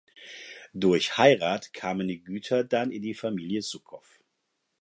Durch Heirat kamen die Güter dann an die Familie Suckow.